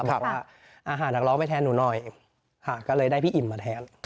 บอกว่าอาหารนักร้องไปแทนหนูหน่อยก็เลยได้พี่อิ่มมาแทน